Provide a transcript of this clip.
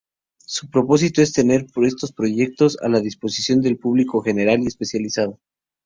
Su propósito es poner estos proyectos a la disposición del público general y especializado.